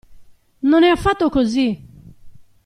Non è affatto così!